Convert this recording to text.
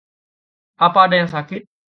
Apa ada yang sakit?